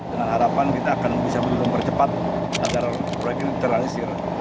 dengan harapan kita akan bisa berjalan bercepat agar proyek ini terhasil